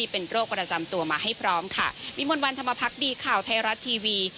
เป็นโรคประจำตัวมาให้พร้อมค่ะวิมวลวันธรรมพักดีข่าวไทยรัฐทีวี